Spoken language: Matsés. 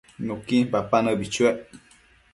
Nuquin papa nëbi chuec